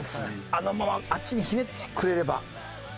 あのままあっちにひねってくれれば。